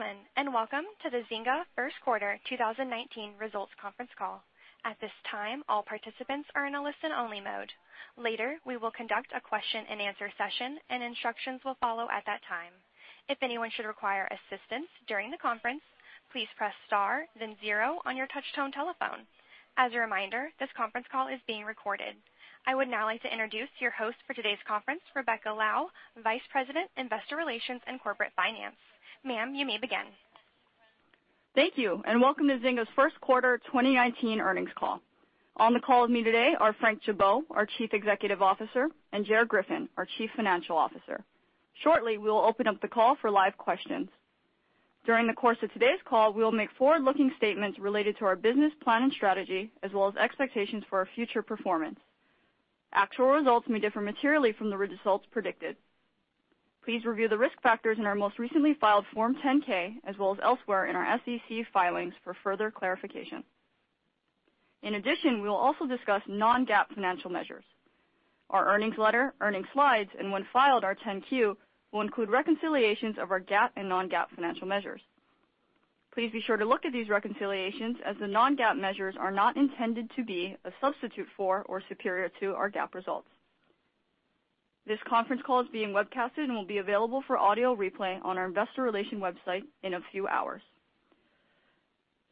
Welcome to the Zynga first quarter 2019 results conference call. At this time, all participants are in a listen-only mode. Later, we will conduct a question and answer session, and instructions follow at that time. If anyone should require assistance during the conference, please press star then 0 on your touchtone telephone. As a reminder, this conference call is being recorded. I would now like to introduce your host for today's conference, Rebecca Lau, Vice President, Investor Relations and Corporate Finance. Ma'am, you may begin. Thank you, welcome to Zynga's first quarter 2019 earnings call. On the call with me today are Frank Gibeau, our Chief Executive Officer, and Gerard Griffin, our Chief Financial Officer. Shortly, we will open up the call for live questions. During the course of today's call, we will make forward-looking statements related to our business plan and strategy, as well as expectations for our future performance. Actual results may differ materially from the results predicted. Please review the risk factors in our most recently filed Form 10-K, as well as elsewhere in our SEC filings for further clarification. In addition, we will also discuss non-GAAP financial measures. Our earnings letter, earnings slides, and when filed, our 10-Q, will include reconciliations of our GAAP and non-GAAP financial measures. Please be sure to look at these reconciliations, as the non-GAAP measures are not intended to be a substitute for or superior to our GAAP results. This conference call is being webcasted and will be available for audio replay on our investor relations website in a few hours.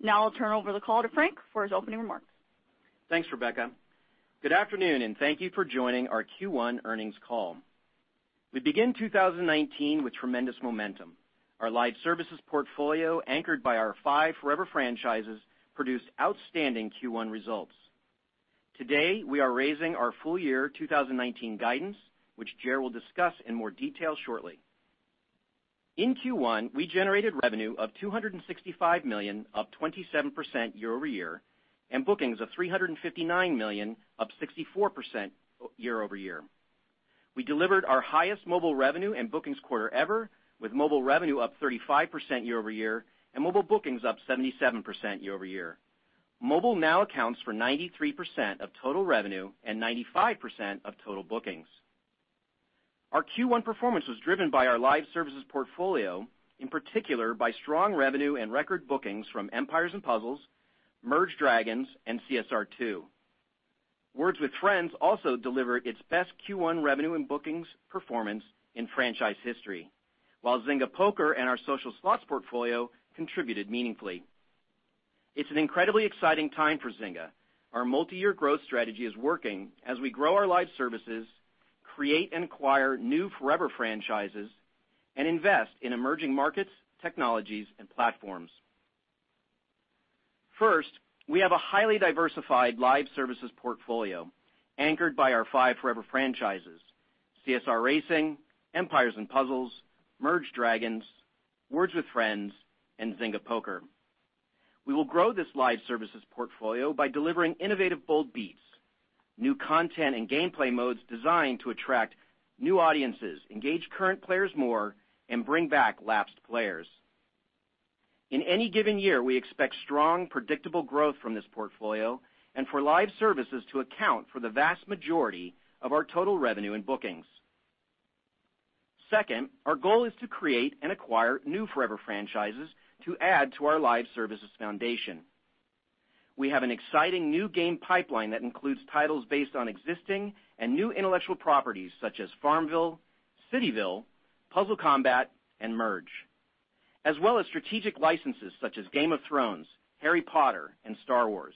I'll turn over the call to Frank for his opening remarks. Thanks, Rebecca. Good afternoon, thank you for joining our Q1 earnings call. We begin 2019 with tremendous momentum. Our live services portfolio, anchored by our five forever franchises, produced outstanding Q1 results. Today, we are raising our full year 2019 guidance, which Gerard will discuss in more detail shortly. In Q1, we generated revenue of $265 million, up 27% year-over-year, and bookings of $359 million, up 64% year-over-year. We delivered our highest mobile revenue and bookings quarter ever with mobile revenue up 35% year-over-year and mobile bookings up 77% year-over-year. Mobile now accounts for 93% of total revenue and 95% of total bookings. Our Q1 performance was driven by our live services portfolio, in particular by strong revenue and record bookings from Empires & Puzzles, Merge Dragons, and CSR2. Words With Friends also delivered its best Q1 revenue and bookings performance in franchise history. While Zynga Poker and our social slots portfolio contributed meaningfully. It's an incredibly exciting time for Zynga. Our multi-year growth strategy is working as we grow our live services, create and acquire new forever franchises, and invest in emerging markets, technologies, and platforms. First, we have a highly diversified live services portfolio anchored by our five forever franchises, CSR Racing, Empires & Puzzles, Merge Dragons!, Words With Friends, and Zynga Poker. We will grow this live services portfolio by delivering innovative bold beats, new content and gameplay modes designed to attract new audiences, engage current players more, and bring back lapsed players. In any given year, we expect strong, predictable growth from this portfolio, and for live services to account for the vast majority of our total revenue and bookings. Second, our goal is to create and acquire new forever franchises to add to our live services foundation. We have an exciting new game pipeline that includes titles based on existing and new intellectual properties such as FarmVille, CityVille, Puzzle Combat, and Merge, as well as strategic licenses such as Game of Thrones, Harry Potter, and Star Wars.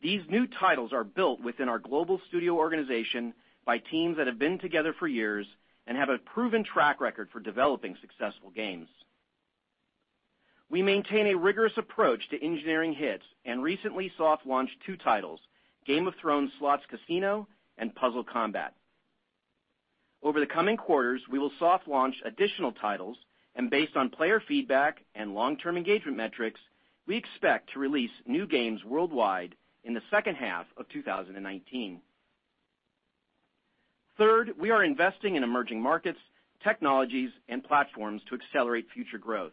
These new titles are built within our global studio organization by teams that have been together for years and have a proven track record for developing successful games. We maintain a rigorous approach to engineering hits and recently soft launched two titles, Game of Thrones Slots Casino and Puzzle Combat. Over the coming quarters, we will soft launch additional titles, and based on player feedback and long-term engagement metrics, we expect to release new games worldwide in the second half of 2019. Third, we are investing in emerging markets, technologies, and platforms to accelerate future growth.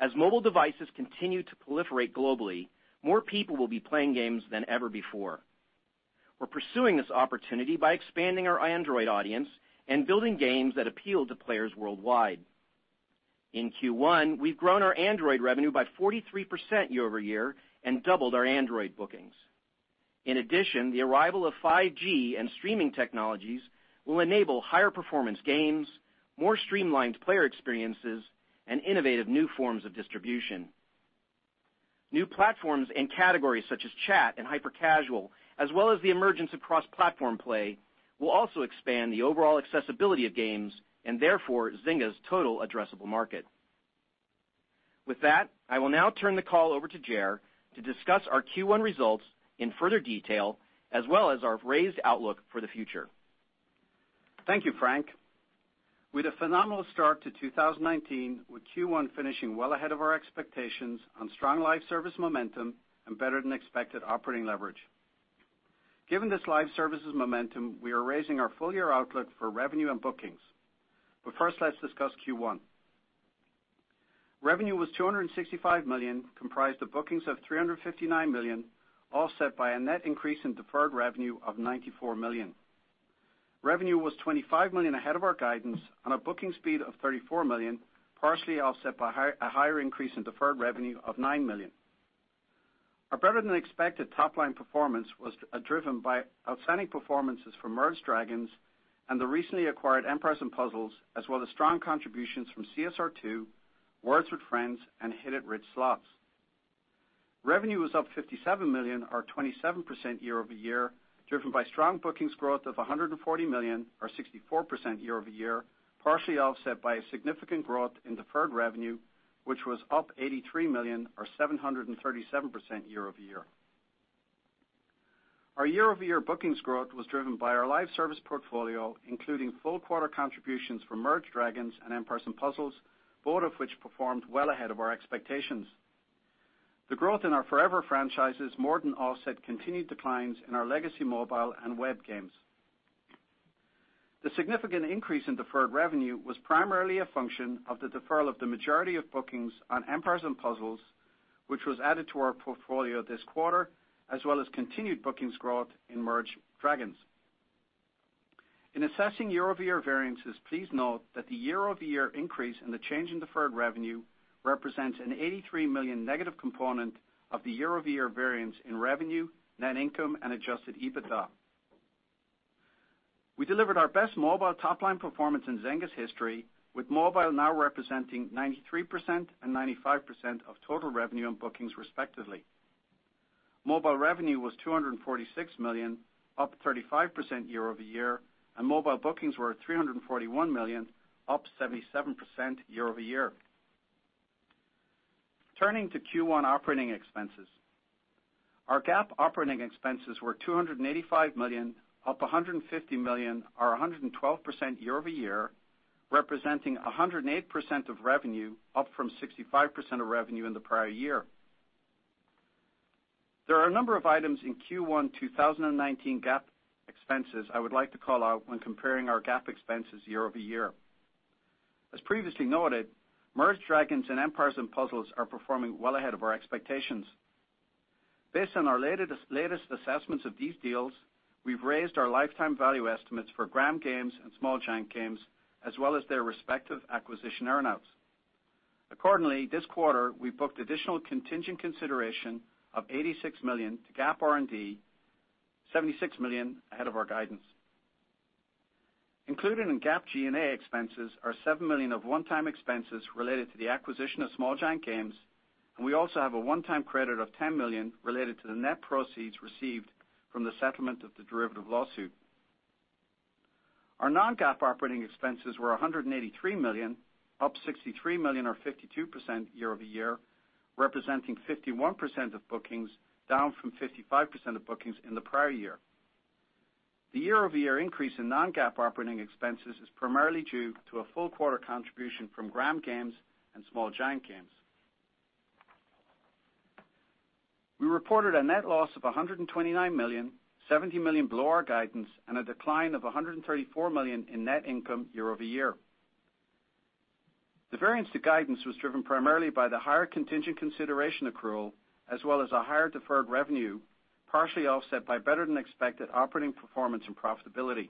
As mobile devices continue to proliferate globally, more people will be playing games than ever before. We're pursuing this opportunity by expanding our Android audience and building games that appeal to players worldwide. In Q1, we've grown our Android revenue by 43% year-over-year and doubled our Android bookings. The arrival of 5G and streaming technologies will enable higher performance games, more streamlined player experiences, and innovative new forms of distribution. New platforms and categories such as chat and hyper-casual, as well as the emergence of cross-platform play, will also expand the overall accessibility of games and therefore Zynga's total addressable market. I will now turn the call over to Gerard to discuss our Q1 results in further detail as well as our raised outlook for the future. Thank you, Frank. We had a phenomenal start to 2019 with Q1 finishing well ahead of our expectations on strong live service momentum and better-than-expected operating leverage. Given this live services momentum, we are raising our full year outlook for revenue and bookings. First, let's discuss Q1. Revenue was $265 million, comprised of bookings of $359 million, offset by a net increase in deferred revenue of $94 million Revenue was $25 million ahead of our guidance on bookings of $34 million, partially offset by a higher increase in deferred revenue of $9 million. Our better-than-expected top-line performance was driven by outstanding performances from Merge Dragons! and the recently acquired Empires & Puzzles, as well as strong contributions from CSR2, Words With Friends, and Hit It Rich! Slots. Revenue was up $57 million or 27% year-over-year, driven by strong bookings growth of $140 million or 64% year-over-year, partially offset by a significant growth in deferred revenue, which was up $83 million or 737% year-over-year. Our year-over-year bookings growth was driven by our live service portfolio, including full quarter contributions from Merge Dragons! and Empires & Puzzles, both of which performed well ahead of our expectations. The growth in our Forever franchises more than offset continued declines in our legacy mobile and web games. The significant increase in deferred revenue was primarily a function of the deferral of the majority of bookings on Empires & Puzzles, which was added to our portfolio this quarter, as well as continued bookings growth in Merge Dragons!. In assessing year-over-year variances, please note that the year-over-year increase in the change in deferred revenue represents an $83 million negative component of the year-over-year variance in revenue, net income, and adjusted EBITDA. We delivered our best mobile top-line performance in Zynga's history, with mobile now representing 93% and 95% of total revenue and bookings respectively. Mobile revenue was $246 million, up 35% year-over-year, and mobile bookings were at $341 million, up 77% year-over-year. Turning to Q1 operating expenses. Our GAAP operating expenses were $285 million, up $150 million or 112% year-over-year, representing 108% of revenue, up from 65% of revenue in the prior year. There are a number of items in Q1 2019 GAAP expenses I would like to call out when comparing our GAAP expenses year-over-year. As previously noted, Merge Dragons! and Empires & Puzzles are performing well ahead of our expectations. Based on our latest assessments of these deals, we've raised our lifetime value estimates for Gram Games and Small Giant Games, as well as their respective acquisition earn-outs. Accordingly, this quarter, we booked additional contingent consideration of $86 million to GAAP R&D, $76 million ahead of our guidance. Included in GAAP G&A expenses are $7 million of one-time expenses related to the acquisition of Small Giant Games, and we also have a one-time credit of $10 million related to the net proceeds received from the settlement of the derivative lawsuit. Our non-GAAP operating expenses were $183 million, up $63 million or 52% year-over-year, representing 51% of bookings, down from 55% of bookings in the prior year. The year-over-year increase in non-GAAP operating expenses is primarily due to a full quarter contribution from Gram Games and Small Giant Games. We reported a net loss of $129 million, $70 million below our guidance, and a decline of $134 million in net income year-over-year. The variance to guidance was driven primarily by the higher contingent consideration accrual, as well as a higher deferred revenue, partially offset by better-than-expected operating performance and profitability.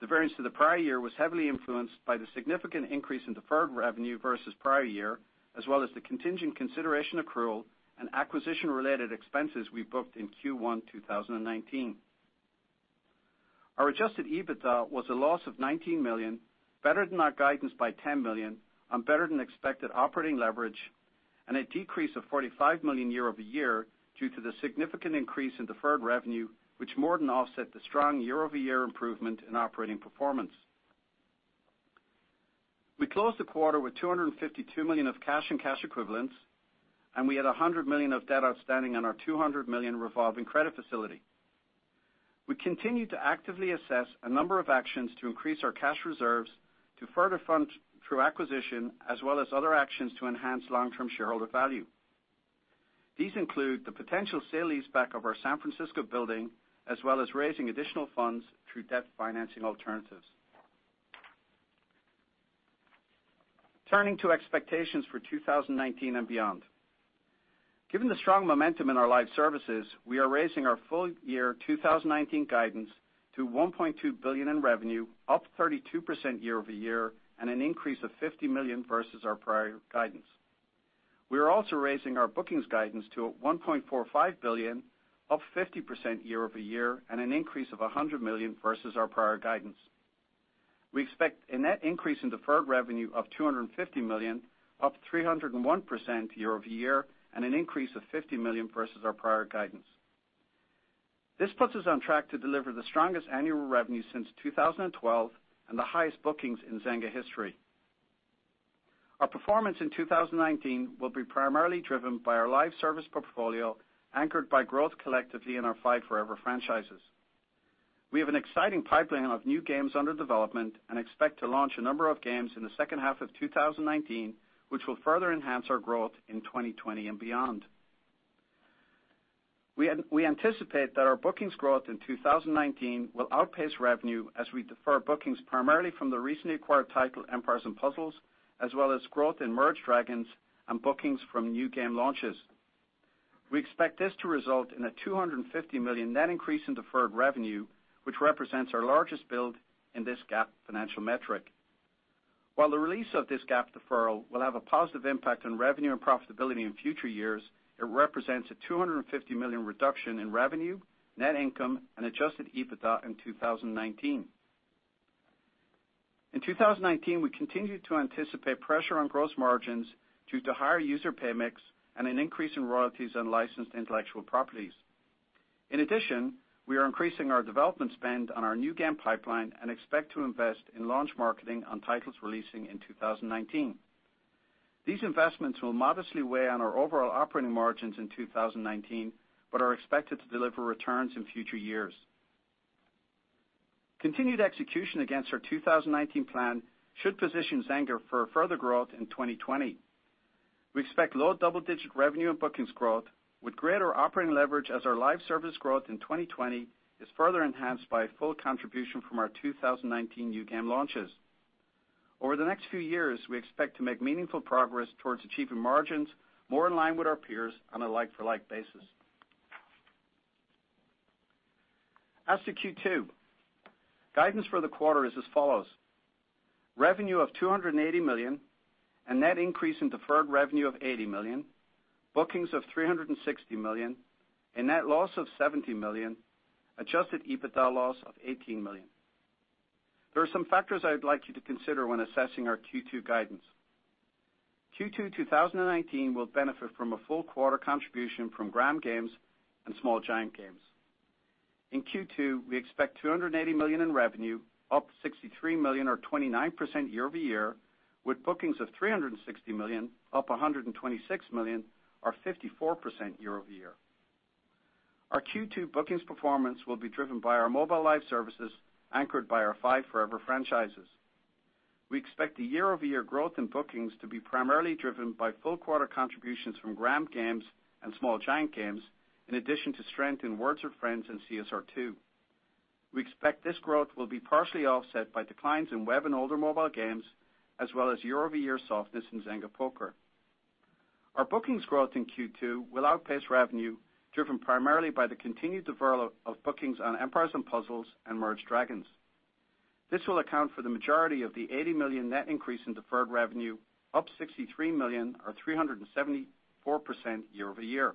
The variance to the prior year was heavily influenced by the significant increase in deferred revenue versus prior year, as well as the contingent consideration accrual and acquisition-related expenses we booked in Q1 2019. Our adjusted EBITDA was a loss of $19 million, better than our guidance by $10 million and better than expected operating leverage, and a decrease of $45 million year-over-year due to the significant increase in deferred revenue, which more than offset the strong year-over-year improvement in operating performance. We closed the quarter with $252 million of cash and cash equivalents, and we had $100 million of debt outstanding on our $200 million revolving credit facility. We continue to actively assess a number of actions to increase our cash reserves to further fund through acquisition, as well as other actions to enhance long-term shareholder value. These include the potential sale leaseback of our San Francisco building, as well as raising additional funds through debt financing alternatives. Turning to expectations for 2019 and beyond. Given the strong momentum in our live services, we are raising our full year 2019 guidance to $1.2 billion in revenue, up 32% year-over-year, and an increase of $50 million versus our prior guidance. We are also raising our bookings guidance to $1.45 billion, up 50% year-over-year, and an increase of $100 million versus our prior guidance. We expect a net increase in deferred revenue of $250 million, up 301% year-over-year, and an increase of $50 million versus our prior guidance. This puts us on track to deliver the strongest annual revenue since 2012 and the highest bookings in Zynga history. Our performance in 2019 will be primarily driven by our live service portfolio, anchored by growth collectively in our five Forever franchises. We have an exciting pipeline of new games under development and expect to launch a number of games in the second half of 2019, which will further enhance our growth in 2020 and beyond. We anticipate that our bookings growth in 2019 will outpace revenue as we defer bookings primarily from the recently acquired title Empires & Puzzles, as well as growth in Merge Dragons! and bookings from new game launches. We expect this to result in a $250 million net increase in deferred revenue, which represents our largest build in this GAAP financial metric. While the release of this GAAP deferral will have a positive impact on revenue and profitability in future years, it represents a $250 million reduction in revenue, net income, and adjusted EBITDA in 2019. In 2019, we continue to anticipate pressure on gross margins due to higher user pay mix and an increase in royalties on licensed intellectual properties. In addition, we are increasing our development spend on our new game pipeline and expect to invest in launch marketing on titles releasing in 2019. These investments will modestly weigh on our overall operating margins in 2019 but are expected to deliver returns in future years. Continued execution against our 2019 plan should position Zynga for further growth in 2020. We expect low double-digit revenue and bookings growth with greater operating leverage as our live service growth in 2020 is further enhanced by full contribution from our 2019 new game launches. Over the next few years, we expect to make meaningful progress towards achieving margins more in line with our peers on a like-for-like basis. As to Q2, guidance for the quarter is as follows: revenue of $280 million, a net increase in deferred revenue of $80 million, bookings of $360 million, a net loss of $70 million, adjusted EBITDA loss of $18 million. There are some factors I would like you to consider when assessing our Q2 guidance. Q2 2019 will benefit from a full quarter contribution from Gram Games and Small Giant Games. In Q2, we expect $280 million in revenue, up $63 million or 29% year-over-year, with bookings of $360 million, up $126 million or 54% year-over-year. Our Q2 bookings performance will be driven by our mobile live services, anchored by our five forever franchises. We expect the year-over-year growth in bookings to be primarily driven by full quarter contributions from Gram Games and Small Giant Games, in addition to strength in Words With Friends and CSR2. We expect this growth will be partially offset by declines in web and older mobile games, as well as year-over-year softness in Zynga Poker. Our bookings growth in Q2 will outpace revenue, driven primarily by the continued deferral of bookings on Empires & Puzzles and Merge Dragons!. This will account for the majority of the $80 million net increase in deferred revenue, up $63 million or 374% year-over-year.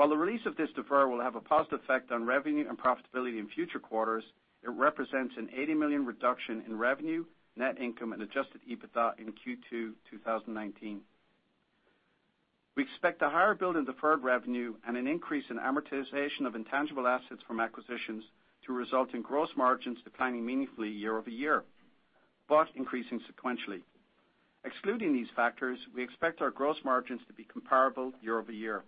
While the release of this deferral will have a positive effect on revenue and profitability in future quarters, it represents an $80 million reduction in revenue, net income, and adjusted EBITDA in Q2 2019. We expect a higher build in deferred revenue and an increase in amortization of intangible assets from acquisitions to result in gross margins declining meaningfully year-over-year, but increasing sequentially. Excluding these factors, we expect our gross margins to be comparable year-over-year.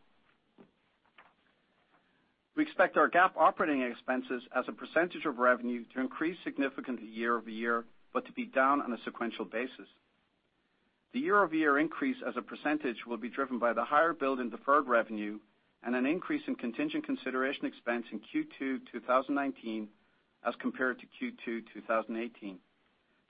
We expect our GAAP operating expenses as a percentage of revenue to increase significantly year-over-year, but to be down on a sequential basis. The year-over-year increase as a percentage will be driven by the higher build in deferred revenue and an increase in contingent consideration expense in Q2 2019 as compared to Q2 2018.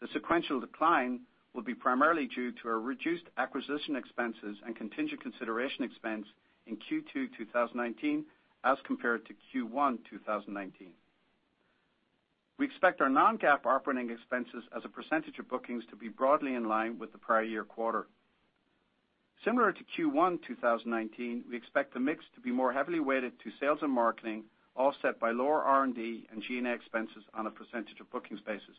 The sequential decline will be primarily due to our reduced acquisition expenses and contingent consideration expense in Q2 2019 as compared to Q1 2019. We expect our non-GAAP operating expenses as a percentage of bookings to be broadly in line with the prior year quarter. Similar to Q1 2019, we expect the mix to be more heavily weighted to sales and marketing, offset by lower R&D and G&A expenses on a percentage of bookings basis.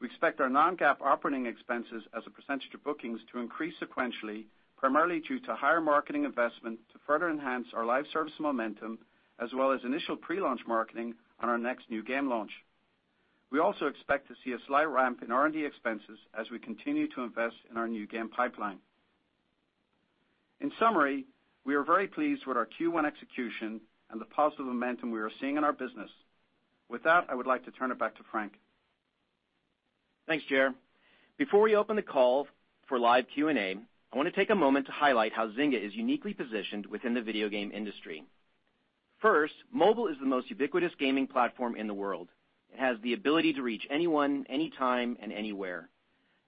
We expect our non-GAAP operating expenses as a percentage of bookings to increase sequentially, primarily due to higher marketing investment to further enhance our live service momentum, as well as initial pre-launch marketing on our next new game launch. We also expect to see a slight ramp in R&D expenses as we continue to invest in our new game pipeline. In summary, we are very pleased with our Q1 execution and the positive momentum we are seeing in our business. With that, I would like to turn it back to Frank. Thanks, Ger. Before we open the call for live Q&A, I want to take a moment to highlight how Zynga is uniquely positioned within the video game industry. First, mobile is the most ubiquitous gaming platform in the world. It has the ability to reach anyone, anytime, and anywhere.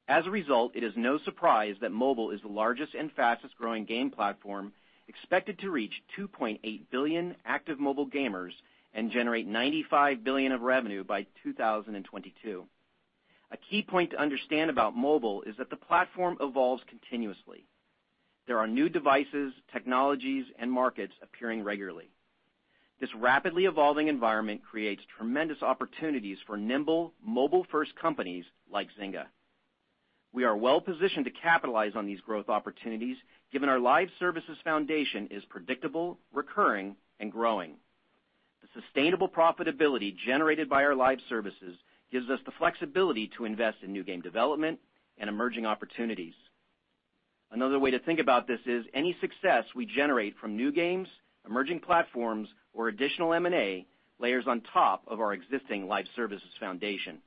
As a result, it is no surprise that mobile is the largest and fastest-growing game platform, expected to reach 2.8 billion active mobile gamers and generate $95 billion of revenue by 2022. A key point to understand about mobile is that the platform evolves continuously. There are new devices, technologies, and markets appearing regularly. This rapidly evolving environment creates tremendous opportunities for nimble, mobile-first companies like Zynga. We are well-positioned to capitalize on these growth opportunities, given our live services foundation is predictable, recurring, and growing. The sustainable profitability generated by our live services gives us the flexibility to invest in new game development and emerging opportunities. Another way to think about this is any success we generate from new games, emerging platforms, or additional M&A layers on top of our existing live services foundation.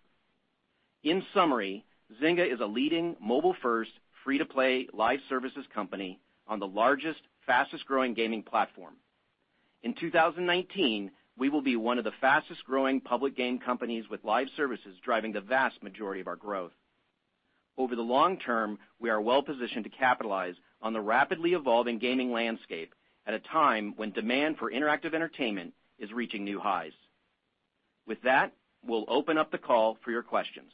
In summary, Zynga is a leading mobile-first, free-to-play live services company on the largest, fastest-growing gaming platform. In 2019, we will be one of the fastest-growing public game companies with live services driving the vast majority of our growth. Over the long term, we are well-positioned to capitalize on the rapidly evolving gaming landscape at a time when demand for interactive entertainment is reaching new highs. With that, we'll open up the call for your questions.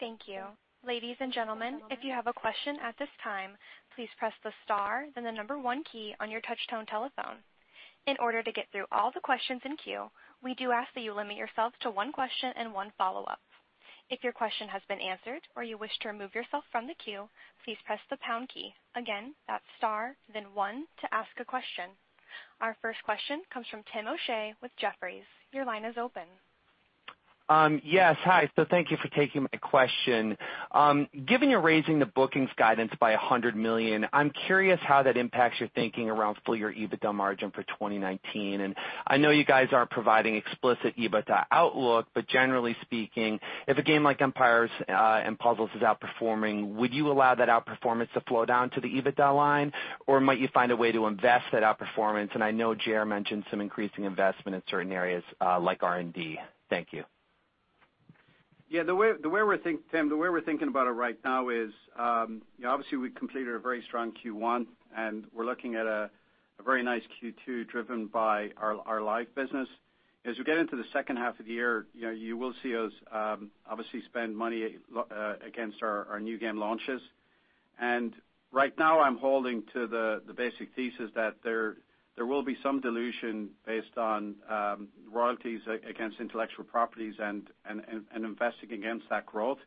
Thank you. Ladies and gentlemen, if you have a question at this time, please press the star, then the number one key on your touch-tone telephone. In order to get through all the questions in queue, we do ask that you limit yourself to one question and one follow-up. If your question has been answered or you wish to remove yourself from the queue, please press the pound key. Again, that's star then one to ask a question. Our first question comes from Timothy O'Shea with Jefferies. Your line is open. Yes, hi. Thank you for taking my question. Given you're raising the bookings guidance by $100 million, I'm curious how that impacts your thinking around full-year EBITDA margin for 2019. I know you guys aren't providing explicit EBITDA outlook, but generally speaking, if a game like Empires & Puzzles is outperforming, would you allow that outperformance to flow down to the EBITDA line or might you find a way to invest that outperformance? I know Ger mentioned some increasing investment in certain areas like R&D. Thank you. Yeah, Tim, the way we're thinking about it right now is, obviously we completed a very strong Q1 and we're looking at a very nice Q2 driven by our live business. As we get into the second half of the year, you will see us obviously spend money against our new game launches. Right now I'm holding to the basic thesis that there will be some dilution based on royalties against intellectual properties and investing against that growth.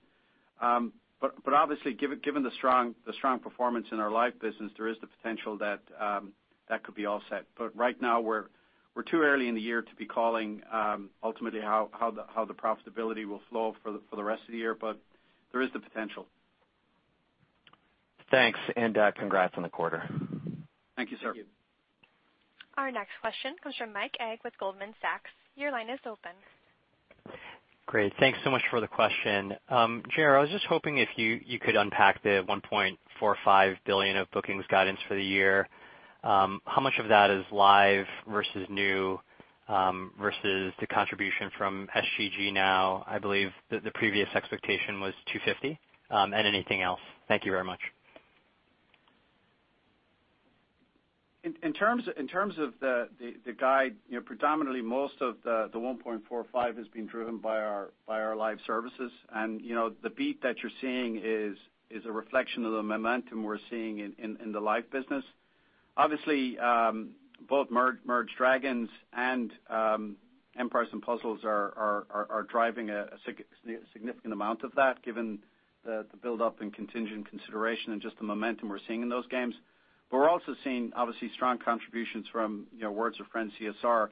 Obviously given the strong performance in our live business, there is the potential that could be offset. Right now we're too early in the year to be calling ultimately how the profitability will flow for the rest of the year, but there is the potential. Thanks and congrats on the quarter. Thank you, sir. Our next question comes from Michael Ng with Goldman Sachs. Your line is open. Great. Thanks so much for the question. Ger, I was just hoping if you could unpack the $1.45 billion of bookings guidance for the year, how much of that is live versus new, versus the contribution from SGG now, I believe that the previous expectation was $250, and anything else. Thank you very much. In terms of the guide, predominantly most of the $1.45 is being driven by our live services and the beat that you're seeing is a reflection of the momentum we're seeing in the live business. Obviously, both Merge Dragons! and Empires & Puzzles are driving a significant amount of that given the build-up in contingent consideration and just the momentum we're seeing in those games. We're also seeing obviously strong contributions from Words With Friends CSR.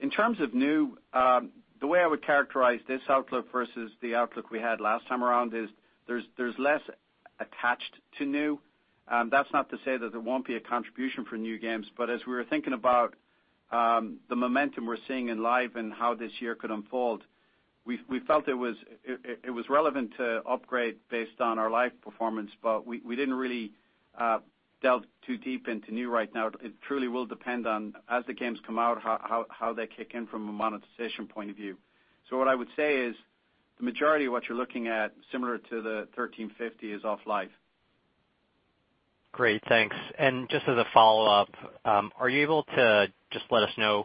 In terms of new, the way I would characterize this outlook versus the outlook we had last time around is there's less attached to new. That's not to say that there won't be a contribution for new games, but as we were thinking about the momentum we're seeing in live and how this year could unfold, we felt it was relevant to upgrade based on our live performance, but we didn't really delve too deep into new right now. It truly will depend on as the games come out, how they kick in from a monetization point of view. What I would say is the majority of what you're looking at, similar to the $1,350 is off live. Great, thanks. Just as a follow-up, are you able to just let us know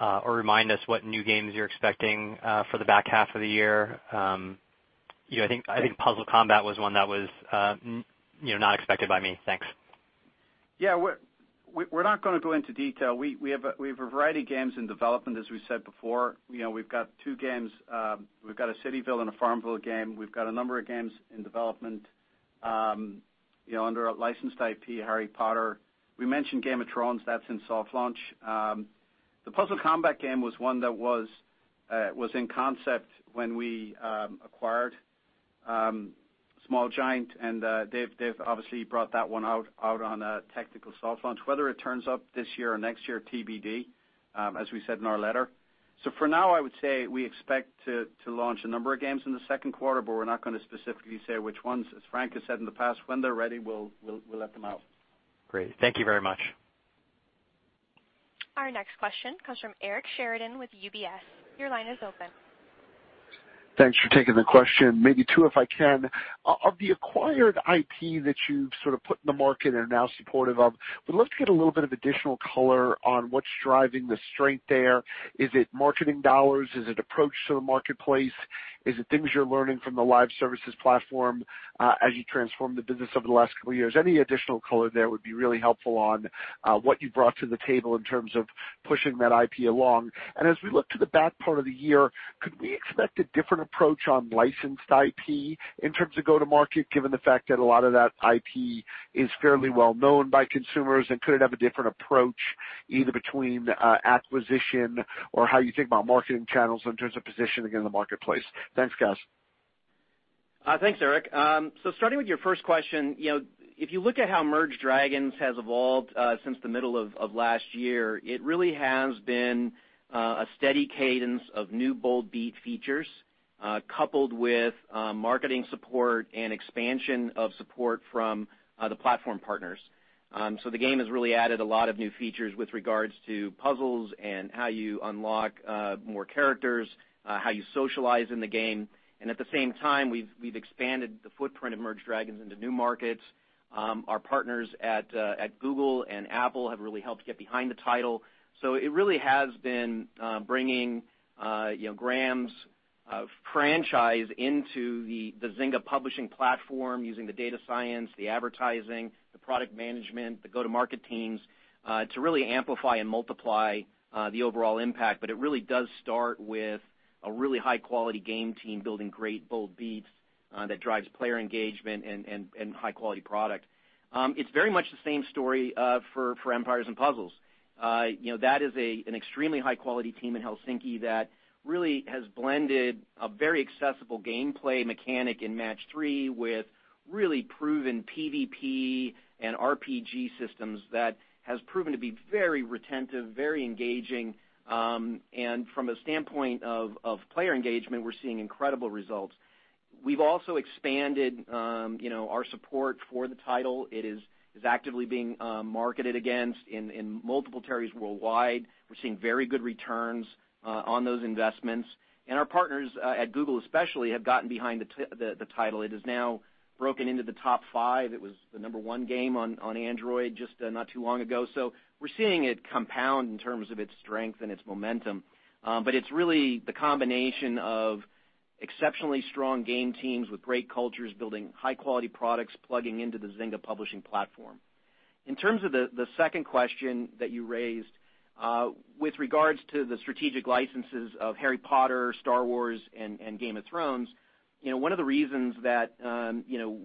or remind us what new games you're expecting for the back half of the year? I think Puzzle Combat was one that was not expected by me. Thanks. Yeah. We're not going to go into detail. We have a variety of games in development as we said before. We've got two games. We've got a CityVille and a FarmVille game. We've got a number of games in development under a licensed IP, Harry Potter. We mentioned Game of Thrones, that's in soft launch. The Puzzle Combat game was one that was in concept when we acquired Small Giant and they've obviously brought that one out on a technical soft launch. Whether it turns up this year or next year, TBD, as we said in our letter. For now, I would say we expect to launch a number of games in the second quarter, we're not going to specifically say which ones. As Frank has said in the past, when they're ready, we'll let them out. Great. Thank you very much. Our next question comes from Eric Sheridan with UBS. Your line is open. Thanks for taking the question. Maybe two if I can. Of the acquired IP that you've sort of put in the market and are now supportive of, would love to get a little bit of additional color on what's driving the strength there. Is it marketing dollars? Is it approach to the marketplace? Is it things you're learning from the live services platform as you transform the business over the last couple of years? Any additional color there would be really helpful on what you brought to the table in terms of pushing that IP along. As we look to the back part of the year, could we expect a different approach on licensed IP in terms of go-to-market given the fact that a lot of that IP is fairly well known by consumers and could it have a different approach either between acquisition or how you think about marketing channels in terms of positioning in the marketplace? Thanks guys. Thanks, Eric. Starting with your first question, if you look at how Merge Dragons! has evolved since the middle of last year, it really has been a steady cadence of new bold beat features Coupled with marketing support and expansion of support from the platform partners. The game has really added a lot of new features with regards to puzzles and how you unlock more characters, how you socialize in the game. At the same time, we've expanded the footprint of Merge Dragons! into new markets. Our partners at Google and Apple have really helped get behind the title. It really has been bringing Gram's franchise into the Zynga publishing platform using the data science, the advertising, the product management, the go-to-market teams, to really amplify and multiply the overall impact. It really does start with a really high-quality game team building great bold beats that drives player engagement and high-quality product. It's very much the same story for Empires & Puzzles. That is an extremely high-quality team in Helsinki that really has blended a very accessible gameplay mechanic in Match 3 with really proven PVP and RPG systems that has proven to be very retentive, very engaging. From a standpoint of player engagement, we're seeing incredible results. We've also expanded our support for the title. It is actively being marketed against in multiple territories worldwide. We're seeing very good returns on those investments. Our partners, at Google especially, have gotten behind the title. It has now broken into the top five. It was the number one game on Android just not too long ago. We're seeing it compound in terms of its strength and its momentum. It's really the combination of exceptionally strong game teams with great cultures building high-quality products, plugging into the Zynga publishing platform. In terms of the second question that you raised, with regards to the strategic licenses of Harry Potter, Star Wars, and Game of Thrones, one of the reasons that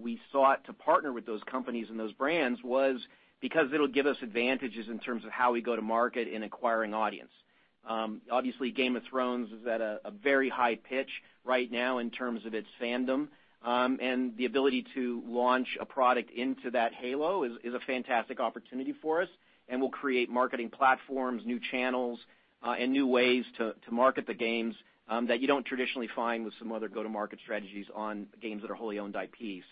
we sought to partner with those companies and those brands was because it'll give us advantages in terms of how we go to market in acquiring audience. Obviously, Game of Thrones is at a very high pitch right now in terms of its fandom. The ability to launch a product into that halo is a fantastic opportunity for us and will create marketing platforms, new channels, and new ways to market the games that you don't traditionally find with some other go to market strategies on games that are wholly owned IP.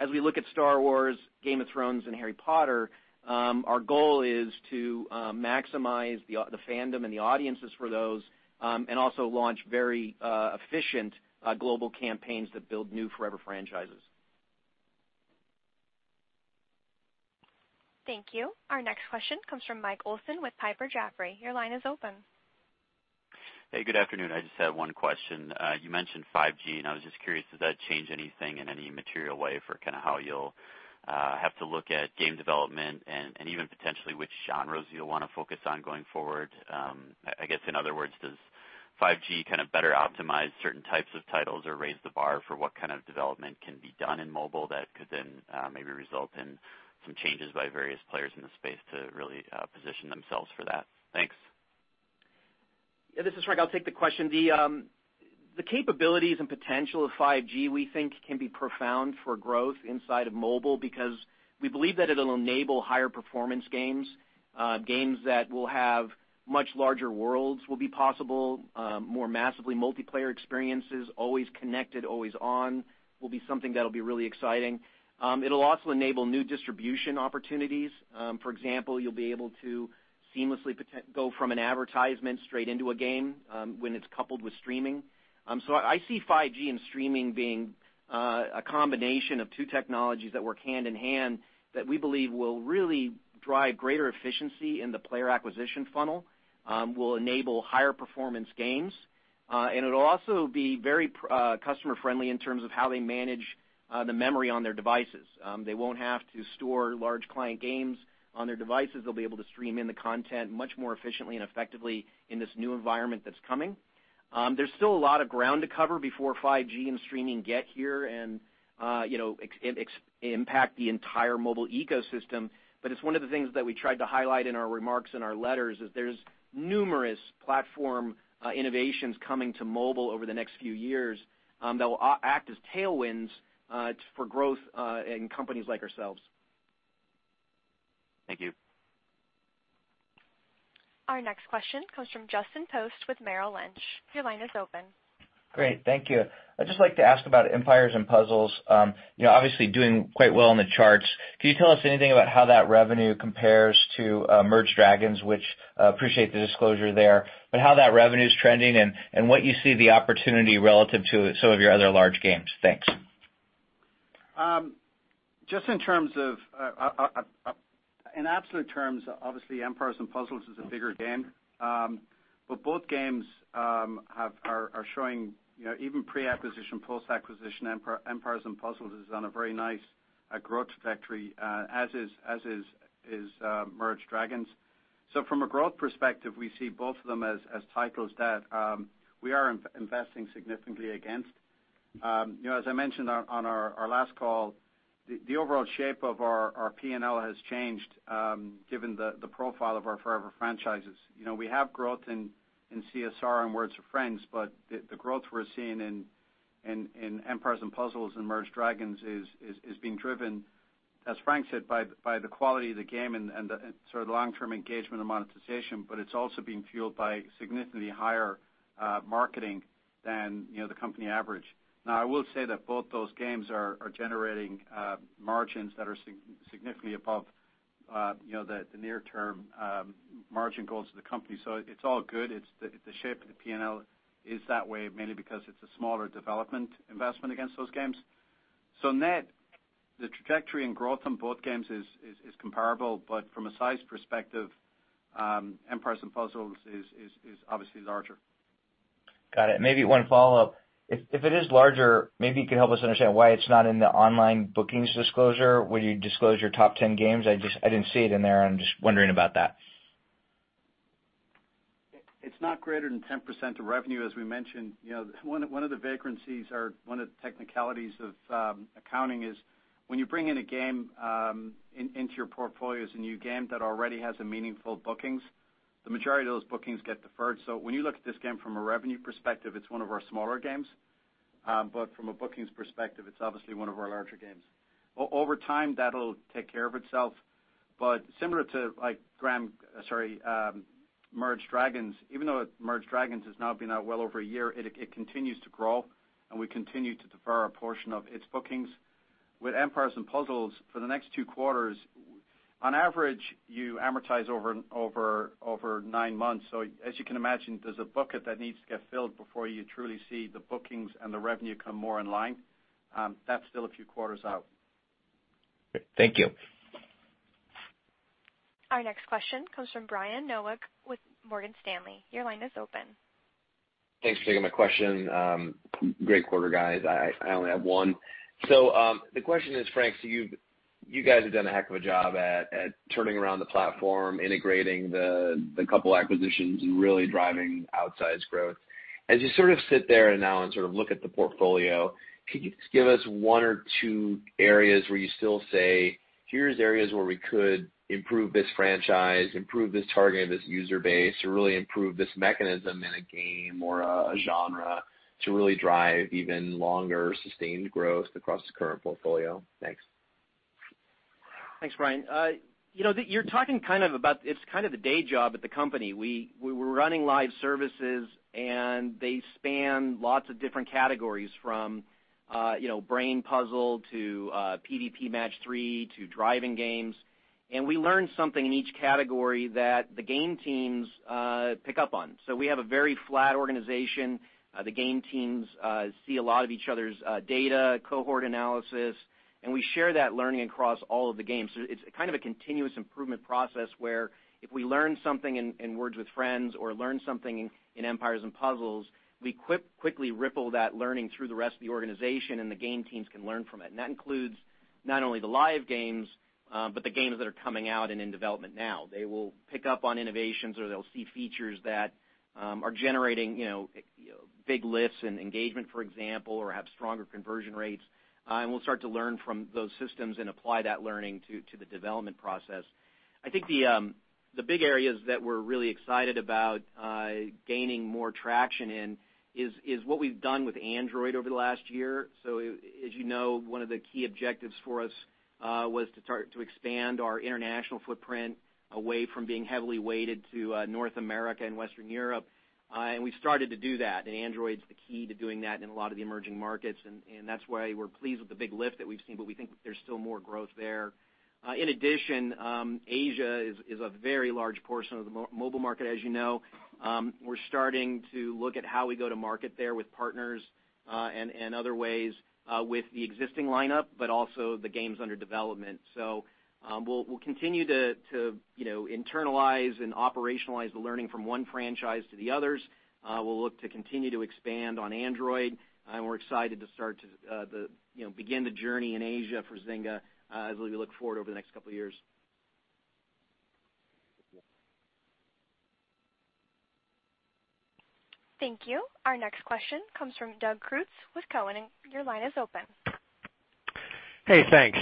As we look at Star Wars, Game of Thrones, and Harry Potter, our goal is to maximize the fandom and the audiences for those, and also launch very efficient global campaigns that build new forever franchises. Thank you. Our next question comes from Michael Olson with Piper Jaffray. Your line is open. Hey, good afternoon. I just had one question. You mentioned 5G, and I was just curious, does that change anything in any material way for kind of how you'll have to look at game development and even potentially which genres you'll want to focus on going forward? I guess, in other words, does 5G kind of better optimize certain types of titles or raise the bar for what kind of development can be done in mobile that could then maybe result in some changes by various players in the space to really position themselves for that? Thanks. Yeah, this is Frank. I'll take the question. The capabilities and potential of 5G, we think, can be profound for growth inside of mobile because we believe that it'll enable higher-performance games. Games that will have much larger worlds will be possible. More massively multiplayer experiences, always connected, always on, will be something that'll be really exciting. It'll also enable new distribution opportunities. For example, you'll be able to seamlessly go from an advertisement straight into a game when it's coupled with streaming. I see 5G and streaming being a combination of two technologies that work hand in hand that we believe will really drive greater efficiency in the player acquisition funnel, will enable higher-performance games, and it'll also be very customer-friendly in terms of how they manage the memory on their devices. They won't have to store large client games on their devices. They'll be able to stream in the content much more efficiently and effectively in this new environment that's coming. There's still a lot of ground to cover before 5G and streaming get here and impact the entire mobile ecosystem. It's one of the things that we tried to highlight in our remarks in our letters is there's numerous platform innovations coming to mobile over the next few years that will act as tailwinds for growth in companies like ourselves. Thank you. Our next question comes from Justin Post with Merrill Lynch. Your line is open. Great. Thank you. I'd just like to ask about Empires & Puzzles. Obviously doing quite well in the charts. Can you tell us anything about how that revenue compares to Merge Dragons!, which, appreciate the disclosure there, but how that revenue's trending and what you see the opportunity relative to some of your other large games. Thanks. Just in absolute terms, obviously Empires & Puzzles is a bigger game. Both games are showing even pre-acquisition, post-acquisition, Empires & Puzzles is on a very nice growth trajectory, as is Merge Dragons!. From a growth perspective, we see both of them as titles that we are investing significantly against. As I mentioned on our last call, the overall shape of our P&L has changed given the profile of our forever franchises. We have growth in CSR and Words With Friends, the growth we're seeing in Empires & Puzzles and Merge Dragons! is being driven, as Frank said, by the quality of the game and the long-term engagement and monetization, it's also being fueled by significantly higher marketing than the company average. Now, I will say that both those games are generating margins that are significantly above the near-term margin goals of the company. It's all good. The shape of the P&L is that way mainly because it's a smaller development investment against those games. Net, the trajectory and growth on both games is comparable, from a size perspective, Empires & Puzzles is obviously larger. Got it. Maybe one follow-up. If it is larger, maybe you could help us understand why it's not in the online bookings disclosure when you disclose your top 10 games. I didn't see it in there, I'm just wondering about that. It's not greater than 10% of revenue, as we mentioned. One of the technicalities of accounting is when you bring in a game into your portfolio as a new game that already has meaningful bookings, the majority of those bookings get deferred. When you look at this game from a revenue perspective, it's one of our smaller games. From a bookings perspective, it's obviously one of our larger games. Over time, that'll take care of itself. Similar to Merge Dragons!, even though Merge Dragons! has now been out well over a year, it continues to grow, and we continue to defer a portion of its bookings. With Empires & Puzzles, for the next two quarters, on average, you amortize over nine months. As you can imagine, there's a bucket that needs to get filled before you truly see the bookings and the revenue come more in line. That's still a few quarters out. Great. Thank you. Our next question comes from Brian Nowak with Morgan Stanley. Your line is open. Thanks for taking my question. Great quarter, guys. I only have one. The question is, Frank, you guys have done a heck of a job at turning around the platform, integrating the couple acquisitions, and really driving outsize growth. As you sit there now and look at the portfolio, could you just give us one or two areas where you still say, "Here's areas where we could improve this franchise, improve this target of this user base, or really improve this mechanism in a game or a genre to really drive even longer sustained growth across the current portfolio?" Thanks. Thanks, Brian. You're talking about it's kind of the day job at the company. We were running live services, and they span lots of different categories from brain puzzle to PvP Match 3 to driving games. We learn something in each category that the game teams pick up on. We have a very flat organization. The game teams see a lot of each other's data, cohort analysis, and we share that learning across all of the games. It's kind of a continuous improvement process where if we learn something in Words With Friends or learn something in Empires & Puzzles, we quickly ripple that learning through the rest of the organization, and the game teams can learn from it. That includes not only the live games, but the games that are coming out and in development now. They will pick up on innovations, or they'll see features that are generating big lifts in engagement, for example, or have stronger conversion rates. We'll start to learn from those systems and apply that learning to the development process. I think the big areas that we're really excited about gaining more traction in is what we've done with Android over the last year. As you know, one of the key objectives for us was to start to expand our international footprint away from being heavily weighted to North America and Western Europe. We started to do that, and Android's the key to doing that in a lot of the emerging markets, and that's why we're pleased with the big lift that we've seen, but we think there's still more growth there. In addition, Asia is a very large portion of the mobile market, as you know. We're starting to look at how we go to market there with partners and other ways with the existing lineup, but also the games under development. We'll continue to internalize and operationalize the learning from one franchise to the others. We'll look to continue to expand on Android, and we're excited to begin the journey in Asia for Zynga as we look forward over the next couple of years. Thank you. Our next question comes from Doug Creutz with Cowen. Your line is open. Hey, thanks.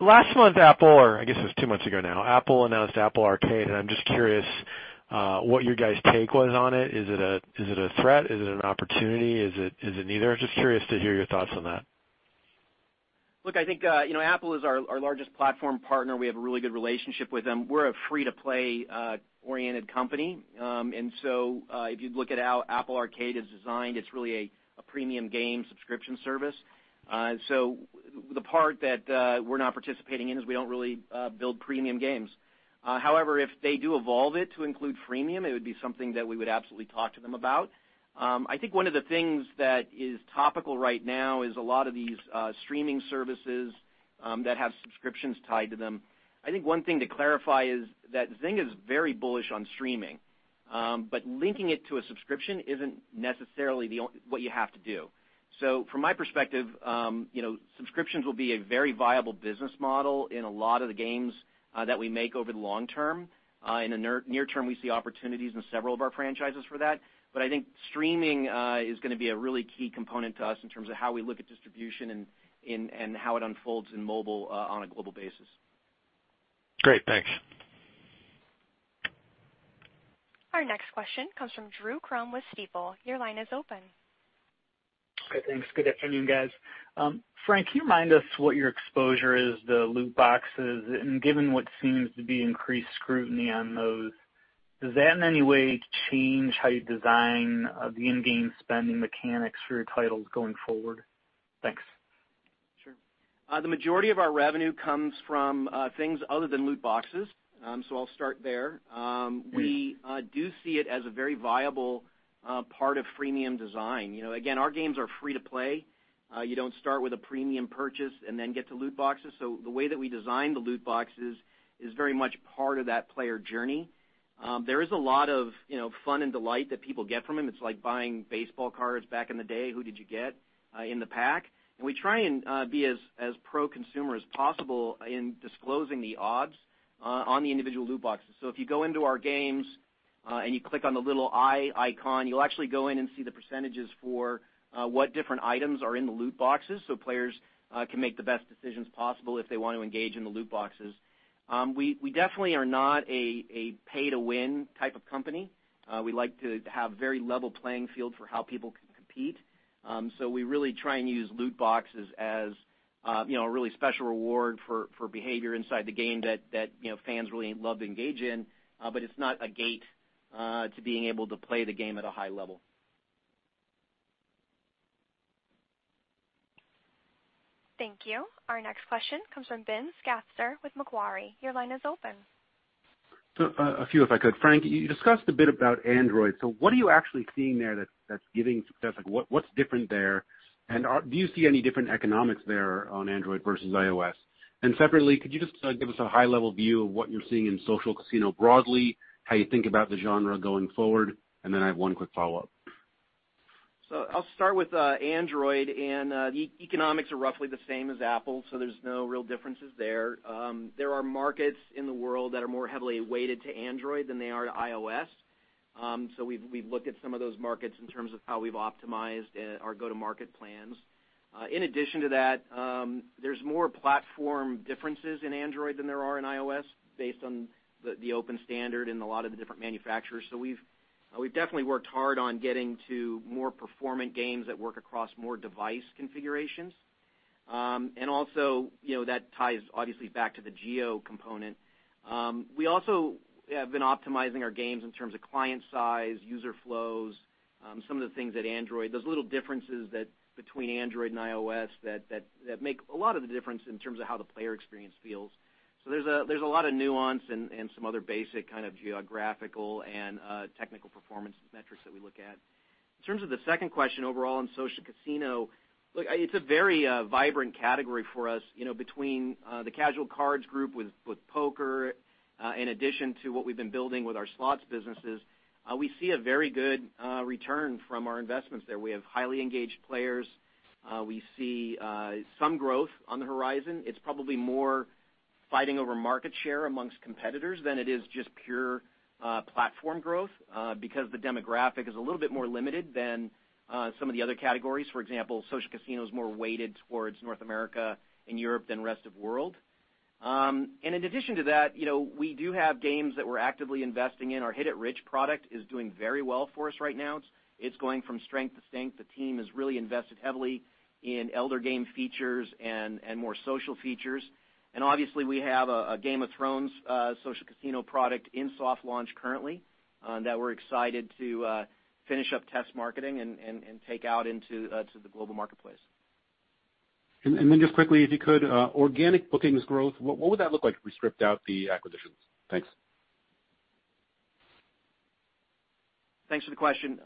Last month, or I guess it was two months ago now, Apple announced Apple Arcade. I'm just curious what your guys' take was on it. Is it a threat? Is it an opportunity? Is it neither? Just curious to hear your thoughts on that. Look, I think Apple is our largest platform partner. We have a really good relationship with them. We're a free-to-play-oriented company. If you look at how Apple Arcade is designed, it's really a premium game subscription service. The part that we're not participating in is we don't really build premium games. However, if they do evolve it to include freemium, it would be something that we would absolutely talk to them about. I think one of the things that is topical right now is a lot of these streaming services that have subscriptions tied to them. I think one thing to clarify is that Zynga's very bullish on streaming. Linking it to a subscription isn't necessarily what you have to do. From my perspective, subscriptions will be a very viable business model in a lot of the games that we make over the long term. In the near term, we see opportunities in several of our franchises for that. I think streaming is going to be a really key component to us in terms of how we look at distribution and how it unfolds in mobile on a global basis. Great. Thanks. Our next question comes from Drew Crum with Stifel. Your line is open. Okay, thanks. Good afternoon, guys. Frank, can you remind us what your exposure is to loot boxes? Given what seems to be increased scrutiny on those, does that in any way change how you design the in-game spending mechanics for your titles going forward? Thanks. Sure. The majority of our revenue comes from things other than loot boxes. I'll start there. We do see it as a very viable part of freemium design. Again, our games are free to play. You don't start with a premium purchase and then get to loot boxes. The way that we design the loot boxes is very much part of that player journey. There is a lot of fun and delight that people get from them. It's like buying baseball cards back in the day, who did you get in the pack? We try and be as pro-consumer as possible in disclosing the odds on the individual loot boxes. If you go into our games, and you click on the little "i" icon, you'll actually go in and see the percentages for what different items are in the loot boxes so players can make the best decisions possible if they want to engage in the loot boxes. We definitely are not a pay-to-win type of company. We like to have very level playing field for how people can compete. We really try and use loot boxes as a really special reward for behavior inside the game that fans really love to engage in. It's not a gate to being able to play the game at a high level. Thank you. Our next question comes from Ben Schachter with Macquarie. Your line is open. A few if I could. Frank, you discussed a bit about Android. What are you actually seeing there that's giving success? What's different there, and do you see any different economics there on Android versus iOS? Separately, could you just give us a high-level view of what you're seeing in social casino broadly, how you think about the genre going forward? Then I have one quick follow-up. I'll start with Android and the economics are roughly the same as Apple, there's no real differences there. There are markets in the world that are more heavily weighted to Android than they are to iOS. We've looked at some of those markets in terms of how we've optimized our go-to-market plans. In addition to that, there's more platform differences in Android than there are in iOS based on the open standard and a lot of the different manufacturers. We've definitely worked hard on getting to more performant games that work across more device configurations. Also, that ties obviously back to the geo component. We also have been optimizing our games in terms of client size, user flows, some of the things that Android, those little differences between Android and iOS that make a lot of the difference in terms of how the player experience feels. There's a lot of nuance and some other basic geographical and technical performance metrics that we look at. In terms of the second question overall on social casino, look, it's a very vibrant category for us between the casual cards group with poker, in addition to what we've been building with our slots businesses. We see a very good return from our investments there. We have highly engaged players. We see some growth on the horizon. It's probably more fighting over market share amongst competitors than it is just pure platform growth because the demographic is a little bit more limited than some of the other categories. For example, social casino is more weighted towards North America and Europe than rest of world. In addition to that, we do have games that we're actively investing in. Our Hit It Rich! product is doing very well for us right now. It's going from strength to strength. The team has really invested heavily in elder game features and more social features. Obviously we have a Game of Thrones social casino product in soft launch currently that we're excited to finish up test marketing and take out into the global marketplace. Then just quickly, if you could, organic bookings growth, what would that look like if we stripped out the acquisitions? Thanks. Thanks for the question.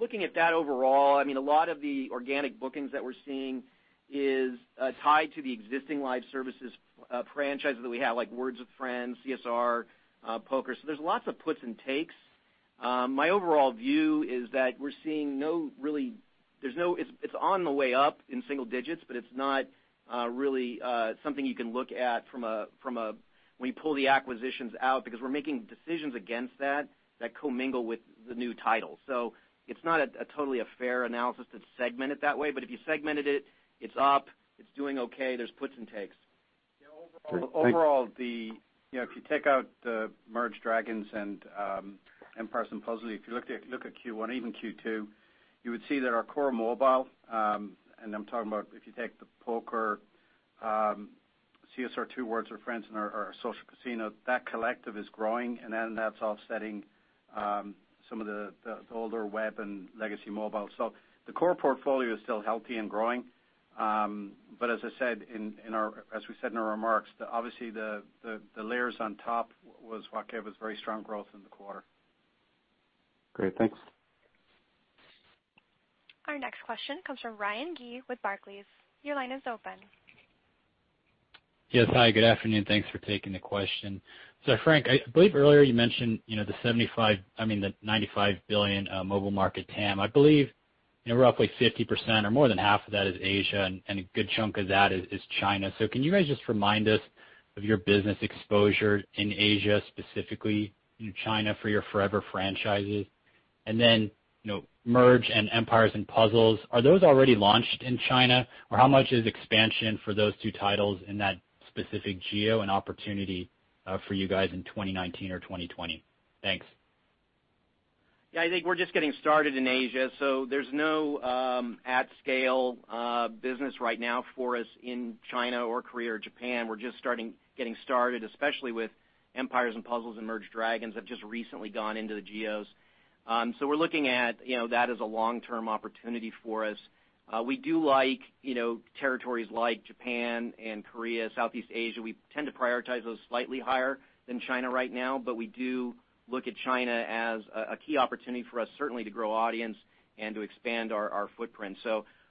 Looking at that overall, a lot of the organic bookings that we're seeing is tied to the existing live services franchises that we have, like Words with Friends, CSR, Poker. There's lots of puts and takes. My overall view is that it's on the way up in single digits, but it's not really something you can look at when you pull the acquisitions out because we're making decisions against that commingle with the new title. It's not a totally a fair analysis to segment it that way. If you segmented it's up, it's doing okay. There's puts and takes. Great. Thanks. Overall, if you take out the Merge Dragons! and Empires & Puzzles, if you look at Q1, even Q2, you would see that our core mobile, and I'm talking about if you take the Poker, CSR2, Words with Friends and our social casino, that collective is growing and that's offsetting some of the older web and legacy mobile. The core portfolio is still healthy and growing. As we said in our remarks, obviously the layers on top was what gave us very strong growth in the quarter. Great. Thanks. Our next question comes from Ryan Gee with Barclays. Your line is open. Yes, hi, good afternoon. Thanks for taking the question. Frank, I believe earlier you mentioned the $95 billion mobile market TAM. I believe roughly 50% or more than half of that is Asia, and a good chunk of that is China. Can you guys just remind us of your business exposure in Asia, specifically in China for your forever franchises? Merge and Empires & Puzzles, are those already launched in China? Or how much is expansion for those two titles in that specific geo an opportunity for you guys in 2019 or 2020? Thanks. I think we're just getting started in Asia, there's no at-scale business right now for us in China or Korea or Japan. We're just getting started, especially with Empires & Puzzles and Merge Dragons! have just recently gone into the geos. We're looking at that as a long-term opportunity for us. We do like territories like Japan and Korea, Southeast Asia. We tend to prioritize those slightly higher than China right now, but we do look at China as a key opportunity for us, certainly to grow audience and to expand our footprint.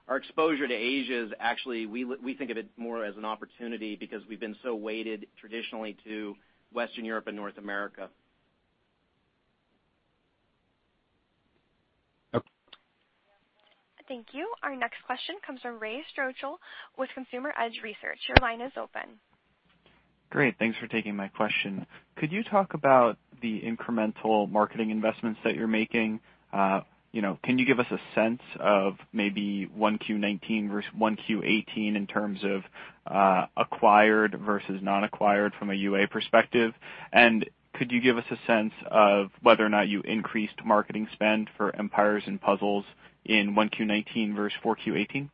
Our exposure to Asia is actually, we think of it more as an opportunity because we've been so weighted traditionally to Western Europe and North America. Thank you. Our next question comes from Ray Stochel with Consumer Edge Research. Your line is open. Great. Thanks for taking my question. Could you talk about the incremental marketing investments that you're making? Can you give us a sense of maybe 1Q19 versus 1Q18 in terms of acquired versus non-acquired from a UA perspective? Could you give us a sense of whether or not you increased marketing spend for Empires & Puzzles in 1Q19 versus 4Q18?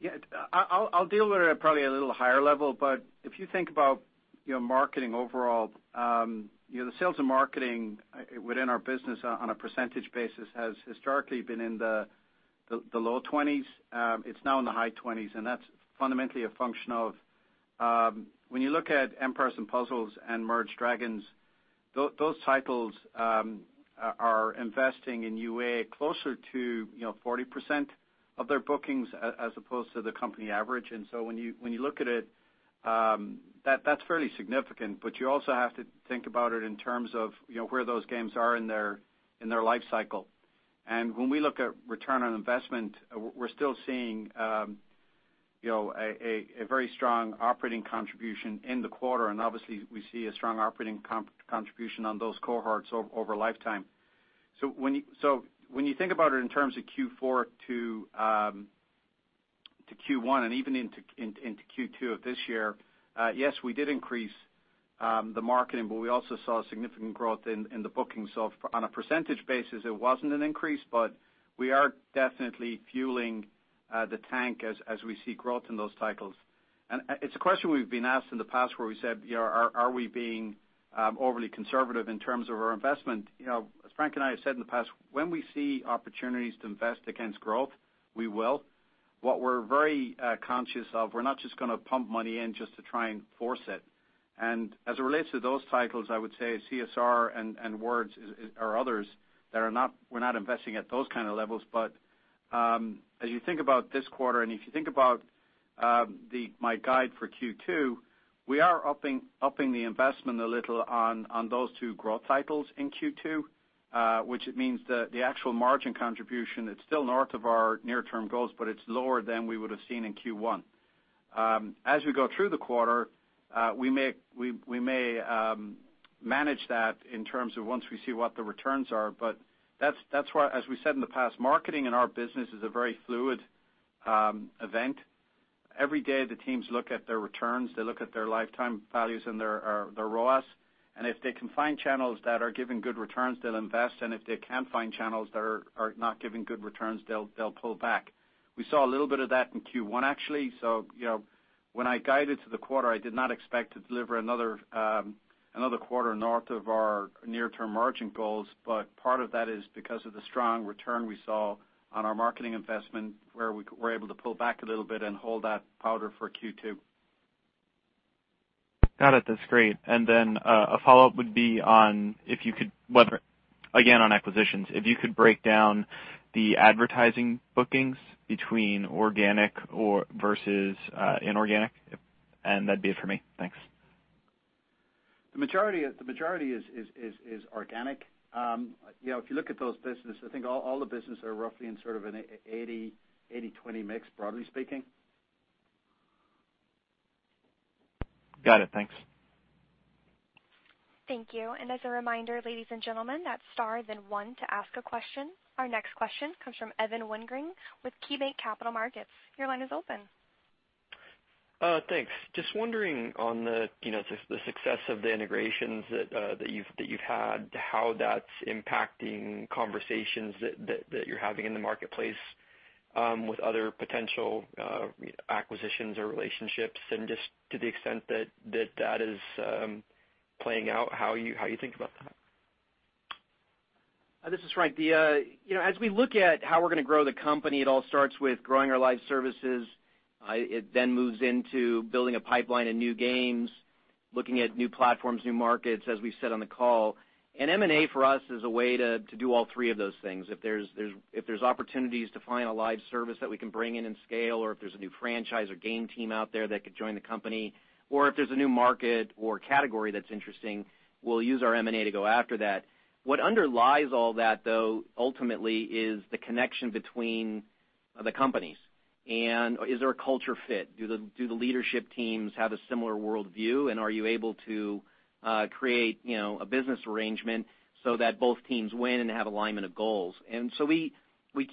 Yeah. I'll deal with it at probably at a little higher level, but if you think about marketing overall, the sales and marketing within our business on a percentage basis has historically been in the low 20s. It's now in the high 20s, that's fundamentally a function of when you look at Empires & Puzzles and Merge Dragons!, those titles are investing in UA closer to 40% of their bookings as opposed to the company average. When you look at it, that's fairly significant, but you also have to think about it in terms of where those games are in their life cycle. When we look at return on investment, we're still seeing a very strong operating contribution in the quarter, and obviously we see a strong operating contribution on those cohorts over lifetime. When you think about it in terms of Q4 to Q1 and even into Q2 of this year, yes, we did increase the marketing, but we also saw significant growth in the bookings. On a percentage basis, it wasn't an increase, but we are definitely fueling the tank as we see growth in those titles. It's a question we've been asked in the past where we said, are we being overly conservative in terms of our investment? As Frank and I have said in the past, when we see opportunities to invest against growth, we will. What we're very conscious of, we're not just going to pump money in just to try and force it. As it relates to those titles, I would say CSR and Words or others that we're not investing at those kind of levels. As you think about this quarter, and if you think about my guide for Q2, we are upping the investment a little on those two growth titles in Q2, which means that the actual margin contribution is still north of our near-term goals, but it's lower than we would've seen in Q1. As we go through the quarter, we may manage that in terms of once we see what the returns are, but that's why, as we said in the past, marketing in our business is a very fluid event. Every day the teams look at their returns, they look at their lifetime values and their ROAS, and if they can find channels that are giving good returns, they'll invest, and if they can't find channels that are not giving good returns, they'll pull back. We saw a little bit of that in Q1, actually. When I guided to the quarter, I did not expect to deliver another quarter north of our near-term margin goals. Part of that is because of the strong return we saw on our marketing investment, where we were able to pull back a little bit and hold that powder for Q2. Got it. That's great. A follow-up would be on if you could, again, on acquisitions, if you could break down the advertising bookings between organic versus inorganic. That'd be it for me. Thanks. The majority is organic. If you look at those businesses, I think all the businesses are roughly in sort of an 80/20 mix, broadly speaking. Got it. Thanks. Thank you. As a reminder, ladies and gentlemen, that's star 1 to ask a question. Our next question comes from Evan Wingren with KeyBanc Capital Markets. Your line is open. Thanks. Just wondering on the success of the integrations that you've had, how that's impacting conversations that you're having in the marketplace with other potential acquisitions or relationships, to the extent that is playing out, how you think about that. This is Frank. As we look at how we're going to grow the company, it all starts with growing our live services. It then moves into building a pipeline of new games, looking at new platforms, new markets, as we've said on the call. M&A for us is a way to do all three of those things. If there's opportunities to find a live service that we can bring in and scale, or if there's a new franchise or game team out there that could join the company, or if there's a new market or category that's interesting, we'll use our M&A to go after that. What underlies all that, though, ultimately, is the connection between the companies. Is there a culture fit? Do the leadership teams have a similar worldview, and are you able to create a business arrangement so that both teams win and have alignment of goals? We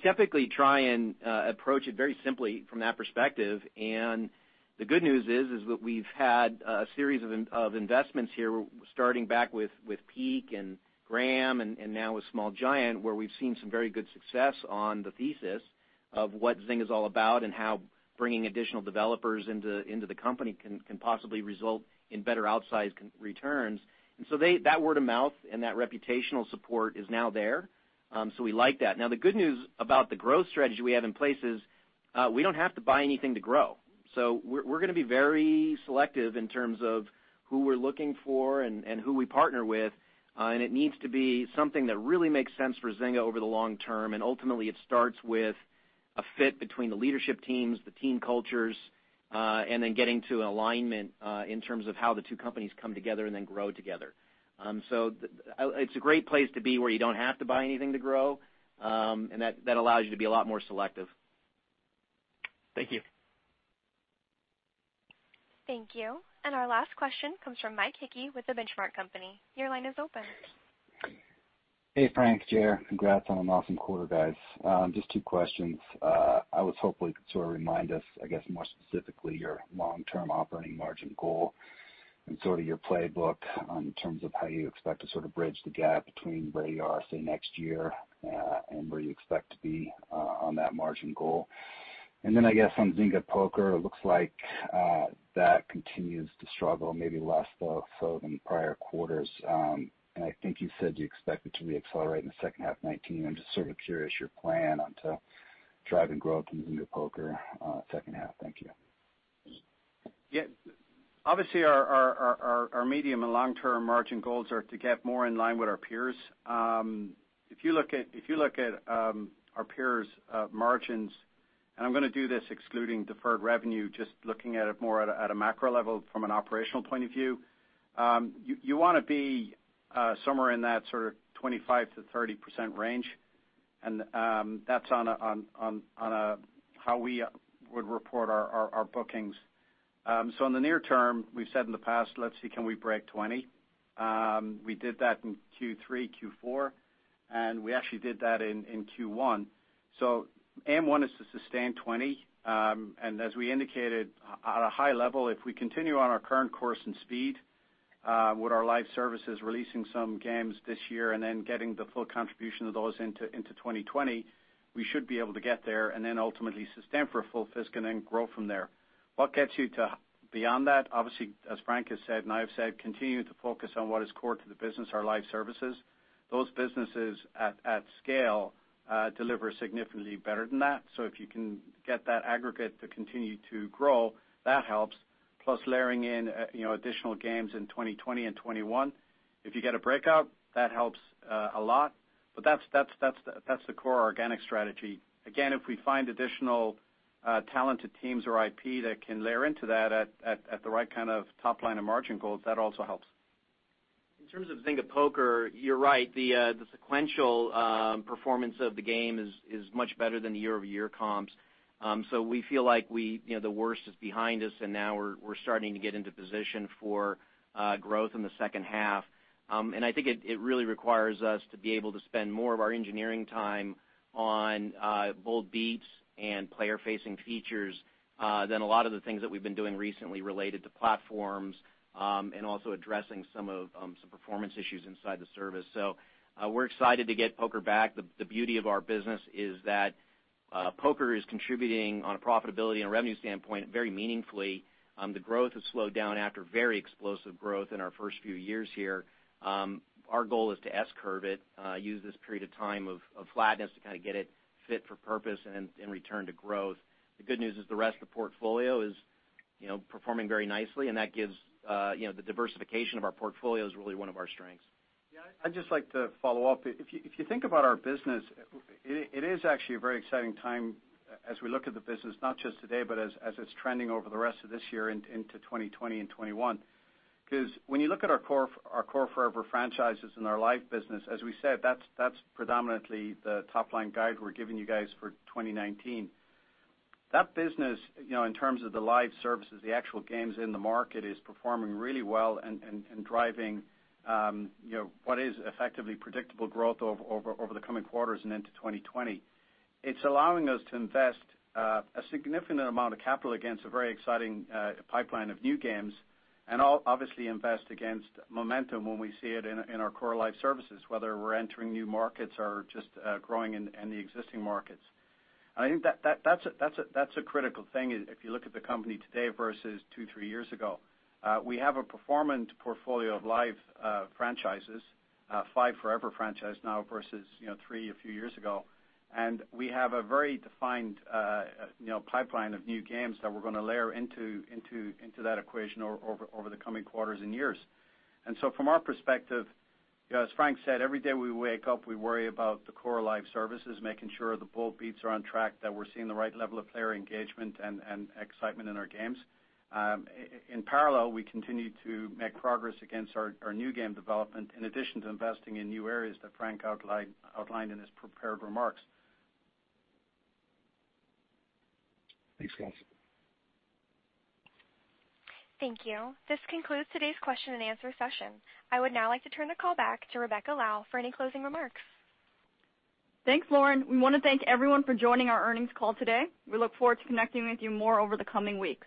typically try and approach it very simply from that perspective. The good news is that we've had a series of investments here, starting back with Peak and Gram and now with Small Giant, where we've seen some very good success on the thesis of what Zynga's all about and how bringing additional developers into the company can possibly result in better outsized returns. That word of mouth and that reputational support is now there. We like that. Now, the good news about the growth strategy we have in place is we don't have to buy anything to grow. We're going to be very selective in terms of who we're looking for and who we partner with. It needs to be something that really makes sense for Zynga over the long term. Ultimately, it starts with a fit between the leadership teams, the team cultures, and then getting to alignment in terms of how the two companies come together and then grow together. It's a great place to be where you don't have to buy anything to grow, and that allows you to be a lot more selective. Thank you. Thank you. Our last question comes from Mike Hickey with The Benchmark Company. Your line is open. Hey, Frank, Ger. Congrats on an awesome quarter, guys. Just two questions. I was hoping you could sort of remind us, I guess, more specifically your long-term operating margin goal and sort of your playbook in terms of how you expect to sort of bridge the gap between where you are, say, next year, and where you expect to be on that margin goal. Then I guess on Zynga Poker, it looks like that continues to struggle, maybe less so than prior quarters. I think you said you expect it to re-accelerate in the second half 2019. I'm just sort of curious your plan on to driving growth in Zynga Poker second half. Thank you. Yeah. Obviously, our medium and long-term margin goals are to get more in line with our peers. If you look at our peers' margins, I'm going to do this excluding deferred revenue, just looking at it more at a macro level from an operational point of view, you want to be somewhere in that sort of 25%-30% range, that's on how we would report our bookings. In the near term, we've said in the past, let's see, can we break 20? We did that in Q3, Q4. We actually did that in Q1. Aim one is to sustain 20. As we indicated at a high level, if we continue on our current course and speed, with our live services releasing some games this year and then getting the full contribution of those into 2020, we should be able to get there and then ultimately sustain for a full fiscal and then grow from there. What gets you to beyond that? Obviously, as Frank has said and I have said, continuing to focus on what is core to the business, our live services. Those businesses at scale deliver significantly better than that. If you can get that aggregate to continue to grow, that helps. Plus layering in additional games in 2020 and 2021. If you get a breakout, that helps a lot. That's the core organic strategy. Again, if we find additional talented teams or IP that can layer into that at the right kind of top-line and margin goals, that also helps. In terms of Zynga Poker, you're right. The sequential performance of the game is much better than the year-over-year comps. We feel like the worst is behind us, and now we're starting to get into position for growth in the second half. I think it really requires us to be able to spend more of our engineering time on bold beats and player-facing features than a lot of the things that we've been doing recently related to platforms, and also addressing some performance issues inside the service. We're excited to get Poker back. The beauty of our business is that Poker is contributing on a profitability and a revenue standpoint very meaningfully. The growth has slowed down after very explosive growth in our first few years here. Our goal is to S-curve it, use this period of time of flatness to kind of get it fit for purpose and return to growth. The good news is the rest of the portfolio is performing very nicely, and that gives the diversification of our portfolio is really one of our strengths. Yeah, I'd just like to follow up. If you think about our business, it is actually a very exciting time as we look at the business, not just today, but as it's trending over the rest of this year into 2020 and 2021. When you look at our core forever franchises and our live business, as we said, that's predominantly the top-line guide we're giving you guys for 2019. That business, in terms of the live services, the actual games in the market, is performing really well and driving what is effectively predictable growth over the coming quarters and into 2020. It's allowing us to invest a significant amount of capital against a very exciting pipeline of new games and obviously invest against momentum when we see it in our core live services, whether we're entering new markets or just growing in the existing markets. I think that's a critical thing if you look at the company today versus two, three years ago. We have a performant portfolio of live franchises, five forever franchise now versus three a few years ago. We have a very defined pipeline of new games that we're going to layer into that equation over the coming quarters and years. From our perspective, as Frank said, every day we wake up, we worry about the core live services, making sure the bold beats are on track, that we're seeing the right level of player engagement and excitement in our games. In parallel, we continue to make progress against our new game development, in addition to investing in new areas that Frank outlined in his prepared remarks. Thanks, guys. Thank you. This concludes today's question and answer session. I would now like to turn the call back to Rebecca Lau for any closing remarks. Thanks, Lauren. We want to thank everyone for joining our earnings call today. We look forward to connecting with you more over the coming weeks.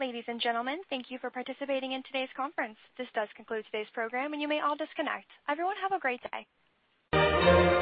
Ladies and gentlemen, thank you for participating in today's conference. This does conclude today's program, and you may all disconnect. Everyone have a great day.